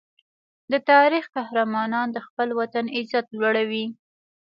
د تاریخ قهرمانان د خپل وطن عزت لوړوي.